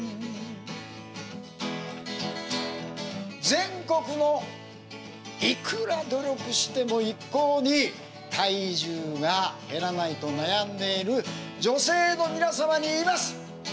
全国のいくら努力しても一向に体重が減らないと悩んでいる女性の皆様に言います！